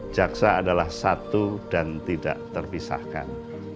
jaksa adalah satu dan tidak terpisahkan